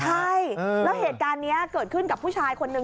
ใช่แล้วเหตุการณ์นี้เกิดขึ้นกับผู้ชายคนนึง